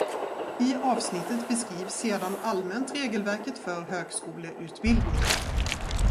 I avsnittet beskrivs sedan allmänt regelverket för högskoleutbildningar.